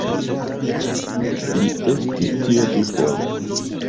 Li estis tio dufoje.